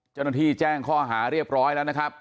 เจ้าหน้าที่แจ้งข้อหาเรียบร้อยแล้วนะครับ